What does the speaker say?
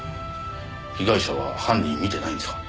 被害者は犯人見てないんですか？